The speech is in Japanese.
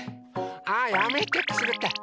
あやめてくすぐったい！